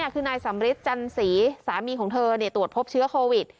คือนายสำริทจันสีสามีของเธอตรวจพบเชื้อโควิด